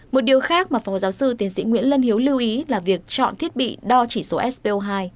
một điều khác mà phó giáo sư tiến sĩ nguyễn lân hiếu lưu ý là việc chọn thiết bị đo chỉ số spo hai